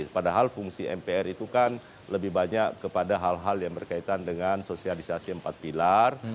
padahal fungsi mpr itu kan lebih banyak kepada hal hal yang berkaitan dengan sosialisasi empat pilar